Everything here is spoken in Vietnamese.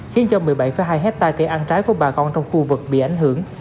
khiến cho một mươi bảy hai hectare cây ăn trái của bà con trong khu vực bị ảnh hưởng